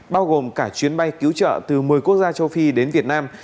bao gồm cả chuyến bay cứu trợ từ một mươi quốc gia châu phi đến việt nam